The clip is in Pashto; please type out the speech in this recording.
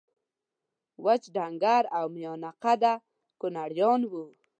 وچ ډنګر او میانه قده کونړیان وو